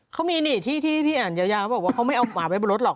เขามีนี่ที่พี่อ่านยาวเขาบอกว่าเขาไม่เอาหมาไว้บนรถหรอก